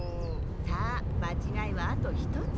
さあまちがいはあと１つ。